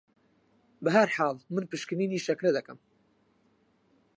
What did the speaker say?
بە هەرحاڵ من پشکنینی شەکرە دەکەم